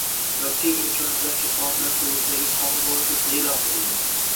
va teng imkoniyatlar kafolatlari to‘g‘risida»gi qonun loyihasi e’lon qilindi.